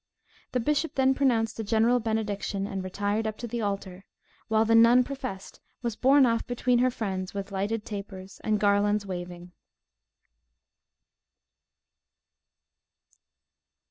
The bishop then pronounced a general benediction, and retired up to the altar; while the nun professed was borne off between her friends, with lighted tapers, and garlands waving.